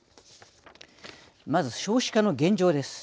まず少子化の現状です。